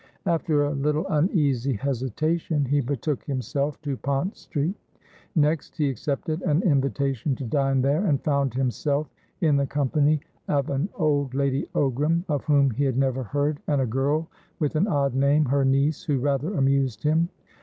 After a little uneasy hesitation, he betook himself to Pont Street. Next, he accepted an invitation to dine there, and found himself in the company of an old Lady Ogram, of whom he had never heard, and a girl with an odd name, her niece, who rather amused him.